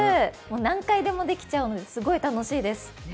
何回でもできちゃうので、すごい楽しいです。